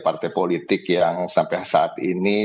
partai politik yang sampai saat ini